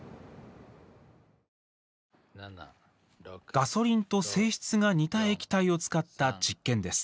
ガソリンと性質が似た液体を使った実験です。